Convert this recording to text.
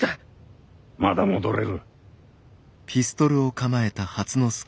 まだ戻れる。